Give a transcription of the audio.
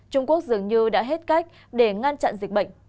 trung quốc dường như đã hết cách để ngăn chặn dịch bệnh